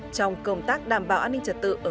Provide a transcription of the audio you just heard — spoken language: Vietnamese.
bộ công tác đảm bảo an ninh trật tự ở cơ sở